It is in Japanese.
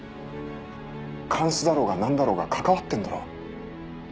監視だろうが何だろうが関わってんだろ。